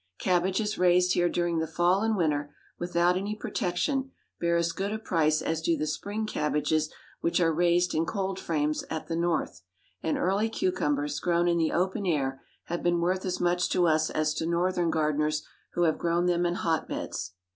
Cabbages raised here during the fall and winter, without any protection, bear as good price as do the spring cabbages which are raised in cold frames at the North; and early cucumbers, grown in the open air, have been worth as much to us as to Northern gardeners who have grown them in hot beds.